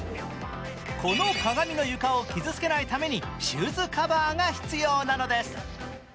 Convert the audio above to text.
この鏡の床を傷つけないためにシューズカバーが必要なのです。